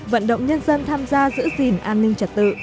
vận động nhân dân tham gia giữ gìn an ninh trật tự